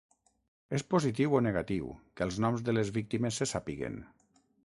És positiu o negatiu que els noms de les víctimes se sàpiguen?